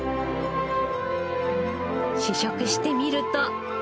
試食してみると。